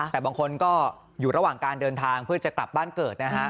แต่บางคนก็อยู่ระหว่างการเดินทางเพื่อจะกลับบ้านเกิดนะฮะ